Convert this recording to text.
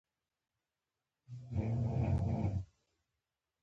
هغه وايي چې پاچا به له خپلې کورنۍ سره ډوډۍ خوړه.